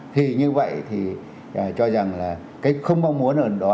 thì như vậy thì cho rằng là cái không mong muốn ở đó